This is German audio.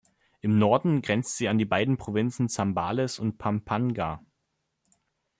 Im Norden grenzt sie an die beiden Provinzen Zambales und Pampanga.